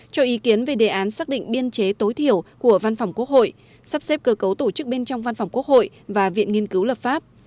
cho ý kiến về đề án xác định biên chế tối thiểu của văn phòng quốc hội sắp xếp cơ cấu tổ chức bên trong văn phòng quốc hội và viện nghiên cứu lập pháp